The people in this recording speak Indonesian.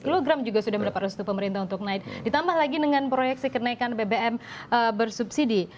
sepuluh kg juga sudah mendapat restu pemerintah untuk naik ditambah lagi dengan proyeksi kenaikan bbm bersubsidi